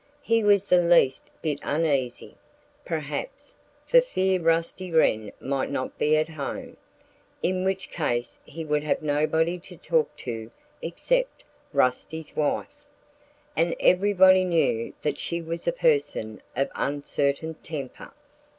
He was the least bit uneasy, perhaps, for fear Rusty Wren might not be at home, in which case he would have nobody to talk to except Rusty's wife. And everybody knew that she was a person of uncertain temper.